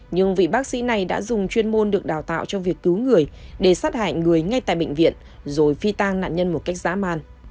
nhưng vị bác sĩ này đã dùng chuyên môn được đào tạo cho việc cứu người để sát hại người ngay tại bệnh viện rồi phi tan nạn nhân một cách dã man